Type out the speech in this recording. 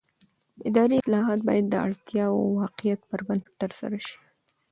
اداري اصلاحات باید د اړتیا او واقعیت پر بنسټ ترسره شي